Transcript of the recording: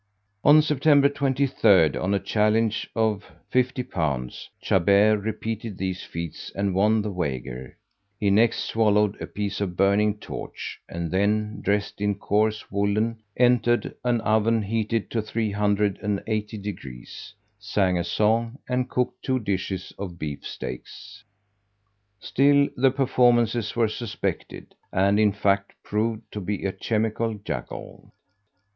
On September 23d, on a challenge of L50, Chabert repeated these feats and won the wager; he next swallowed a piece of burning torch; and then, dressed in coarse woolen, entered an oven heated to 380 degrees, sang a song, and cooked two dishes of beef steaks. Still, the performances were suspected, and in fact, proved to be a chemical juggle.